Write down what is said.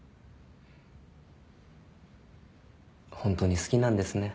ホントに好きなんですね。